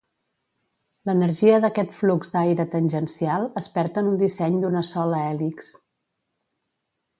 L'energia d'aquest flux d'aire tangencial es perd en un disseny d'una sola hèlix.